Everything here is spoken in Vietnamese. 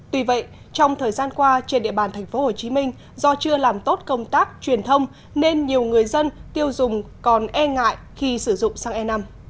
tuy vậy trong thời gian qua trên địa bàn tp hcm do chưa làm tốt công tác truyền thông nên nhiều người dân tiêu dùng còn e ngại khi sử dụng xăng e năm